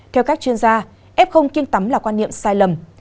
theo các chuyên gia f kiên tắm là quan niệm sai lầm